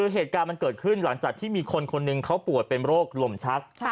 เหตุการณ์มันเกิดขึ้นหลังจากที่มีคนคนหนึ่งเขาป่วยเป็นโรคลมชัก